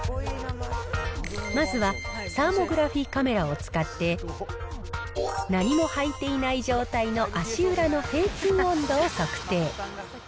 まずは、サーモグラフィカメラを使って、何も履いていない状態の足裏の平均温度を測定。